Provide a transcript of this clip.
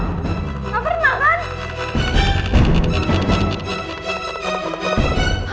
gak pernah kan